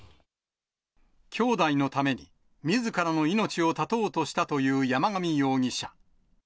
きょうだいのために、みずからの命を絶とうとしたという山上容疑者。